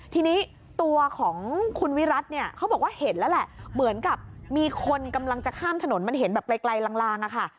ทีนี้ตัวของคุณวิรัติเนี่ยเขาบอกว่าเห็นแล้วแหละเหมือนกับมีคนกำลังจะข้ามถนนมันเห็นแบบไกลลางอะค่ะ